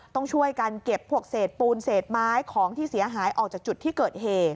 ต้องช่วยกันเก็บพวกเศษปูนเศษไม้ของที่เสียหายออกจากจุดที่เกิดเหตุ